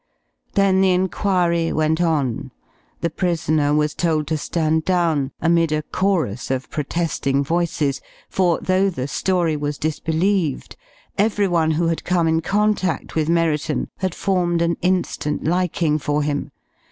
Then the inquiry went on. The prisoner was told to stand down, amid a chorus of protesting voices, for, though the story was disbelieved, everyone who had come in contact with Merriton had formed an instant liking for him.